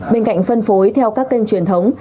bên cạnh phân phối theo các kênh truyền thống